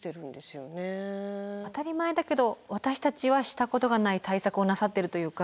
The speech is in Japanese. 当たり前だけど私たちはしたことがない対策をなさってるというか。